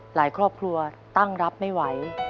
หลายครอบครัวตั้งรับไม่ไหว